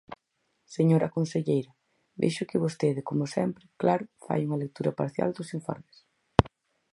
Señora conselleira, vexo que vostede como sempre, claro, fai unha lectura parcial dos informes.